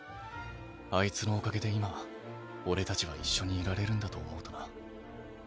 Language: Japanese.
あいつのおかげで今俺たちは一緒にいられるんだと思うとな。